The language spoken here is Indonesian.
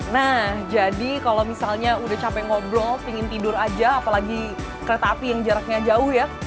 nah jadi kalau misalnya udah capek ngobrol pingin tidur aja apalagi kereta api yang jaraknya jauh ya